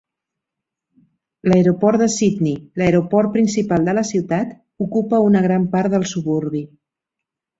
L'aeroport de Sydney, l'aeroport principal de la ciutat, ocupa una gran part del suburbi.